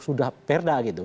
sudah perda gitu